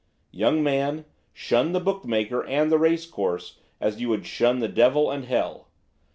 Young man, shun the bookmaker and the race course as you would shun the devil and hell.